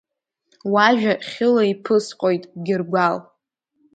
Уажәа хьыла иԥысҟоит, Гьыргәал.